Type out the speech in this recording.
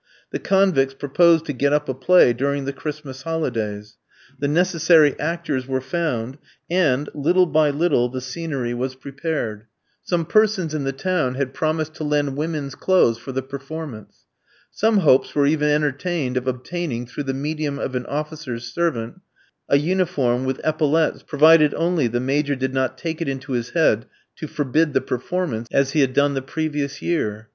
The convicts proposed to get up a play during the Christmas holidays. The necessary actors were found, and, little by little, the scenery was prepared. Some persons in the town had promised to lend women's clothes for the performance. Some hopes were even entertained of obtaining, through the medium of an officer's servant, a uniform with epaulettes, provided only the Major did not take it into his head to forbid the performance, as he had done the previous year.